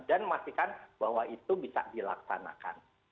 dan memastikan bahwa itu bisa dilaksanakan